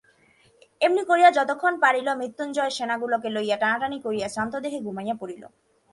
এমনি করিয়া যতক্ষণ পারিল মৃত্যুঞ্জয় সোনাগুলোকে লইয়া টানাটানি করিয়া শ্রান্তদেহে ঘুমাইয়া পড়িল।